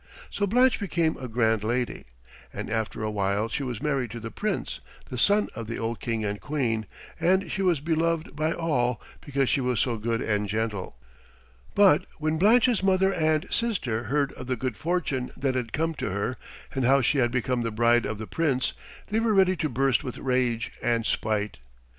So Blanche became a grand lady, and after a while she was married to the Prince, the son of the old King and Queen, and she was beloved by all because she was so good and gentle. But when Blanche's mother and sister heard of the good fortune that had come to her, and how she had become the bride of the Prince, they were ready to burst with rage and spite.